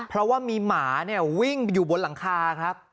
เพราะว่ามีหมาเนี่ยวิ่งไปอยู่บนหลังคาครับ